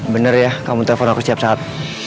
bener ya kamu telepon aku siap saat